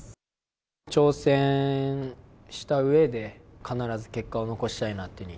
挑戦したうえで、必ず結果を残したいなっていうふうに。